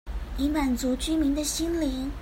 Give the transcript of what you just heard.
以滿足居民的心靈